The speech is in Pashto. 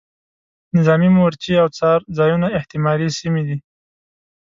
نظامي مورچې او څار ځایونه احتمالي سیمې دي.